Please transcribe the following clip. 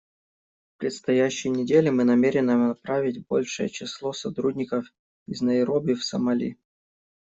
В предстоящие недели мы намерены направить большее число сотрудников из Найроби в Сомали.